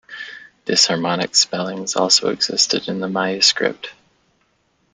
Disharmonic spellings also existed in the Maya Script.